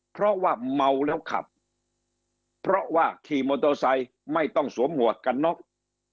เพราะว่าเมาแล้วขับเพราะว่าขี่มอเตอร์ไซค์ไม่ต้องสวมหมวกกันน็อก